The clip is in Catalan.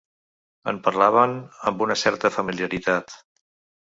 En parlaven amb una certa familiaritat.